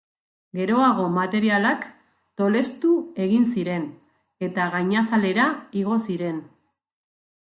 Geroago materialak tolestu egin ziren eta gainazalera igo ziren.